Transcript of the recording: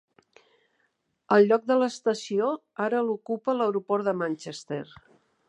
El lloc de l'estació ara l'ocupa l'aeroport de Manchester.